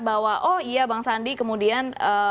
bahwa oh iya bang sandi kemudian